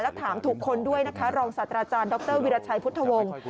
แล้วถามถูกคนด้วยนะคะรองศาสตราจารย์ดรวิราชัยพุทธวงศ์